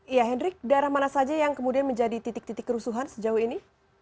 ya hendrik daerah mana saja yang kemudian menjadi titik titik kerusuhan sejauh ini